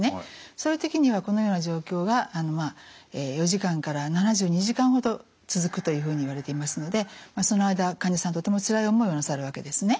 そういう時にはこのような状況が４時間から７２時間ほど続くというふうにいわれていますのでその間患者さんとてもつらい思いをなさるわけですね。